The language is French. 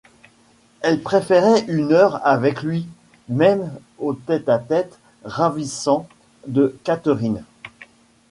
Elle préférait une heure avec lui, même aux tête-à-tête ravissants de Catherine.